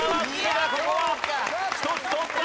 がここは１つ取った！